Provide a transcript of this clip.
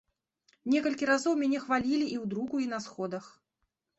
Некалькі разоў мяне хвалілі і ў друку, і на сходах.